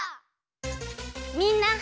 みんな。